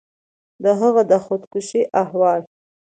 د هغه د خودکشي احوال